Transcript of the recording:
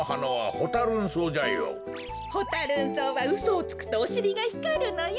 ホタ・ルン草はうそをつくとおしりがひかるのよ。